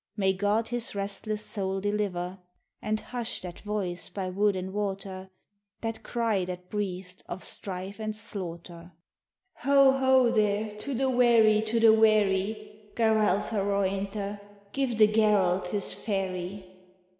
May God his restless soul deliver ! GARALTH'S FERRY 105 And hush that voice by wood and water, That cry that breathed of strife and slaughter :" Ho, ho, there ! To the wherry, to the wherry ! Garalth harointha ! Give the Garalth his ferry